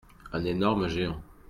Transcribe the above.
Un énorme géant.